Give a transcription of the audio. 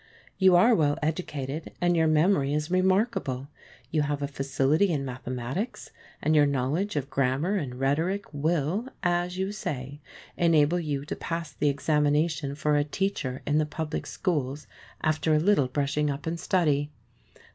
You are well educated and your memory is remarkable. You have a facility in mathematics, and your knowledge of grammar and rhetoric will, as you say, enable you to pass the examination for a teacher in the public schools after a little brushing up and study.